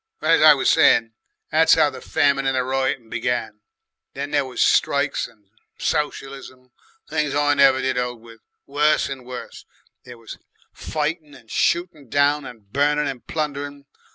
Well, as I was saying, that's how the Famine and Riotin' began. Then there was strikes and Socialism, things I never did 'old with, worse and worse. There was fightin' and shootin' down, and burnin' and plundering.